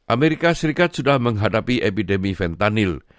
amerika serikat sudah menghadapi epidemi fentanyl